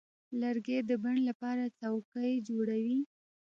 لرګی د بڼ لپاره څوکۍ جوړوي.